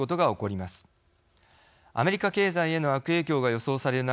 アメリカ経済への悪影響が予想される